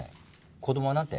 子供はなんて？